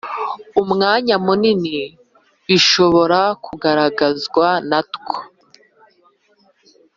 umwanya munini bishobora kugaragazwa natwo